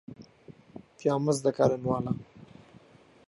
پیاو مەست دەکا لە نواڵە